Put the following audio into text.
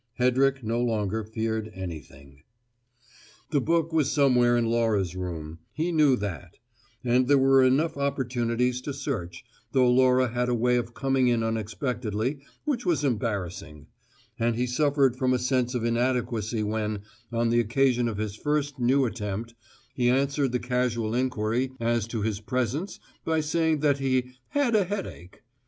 Hedrick no longer feared anything. The book was somewhere in Laura's room, he knew that; and there were enough opportunities to search, though Laura had a way of coming in unexpectedly which was embarrassing; and he suffered from a sense of inadequacy when on the occasion of his first new attempt he answered the casual inquiry as to his presence by saying that he "had a headache."